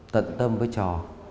tận tâm với trò